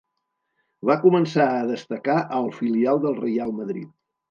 Va començar a destacar al filial del Reial Madrid.